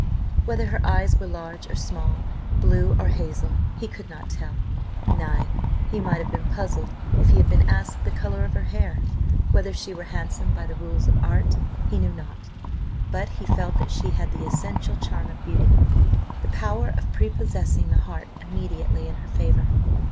Whether her eyes were large or small, blue or hazel, he could not tell; nay, he might have been puzzled if he had been asked the colour of her hair. Whether she were handsome by the rules of art, he knew not; but he felt that she had the essential charm of beauty, the power of prepossessing the heart immediately in her favour.